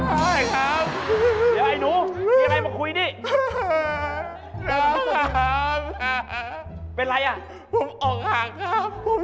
เดี๋ยวไอ้หนูมีอะไรมาคุยดิ